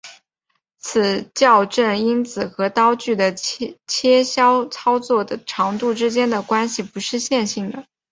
此校正因子和刀具的切削操作的长度之间的关系不是线性的。